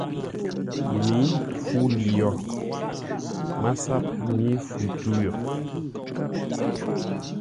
Mǐ fu li yo! MASAP mí fu tû yo.